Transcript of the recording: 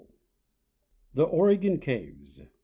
The Oregon Caves.